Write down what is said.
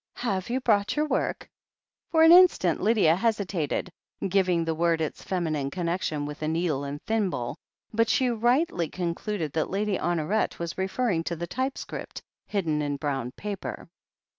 Have you brought your work ?" For an instant Lydia hesitated, giving the word its feminine connection with a needle and thimble, but she rightly concluded that Lady Honoret was referring to the typescript hidden in brown paper.